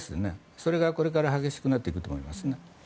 それがこれから激しくなっていくと思います。